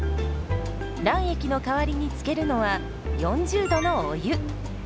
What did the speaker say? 卵液の代わりにつけるのは４０℃のお湯。